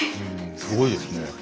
すごいですね。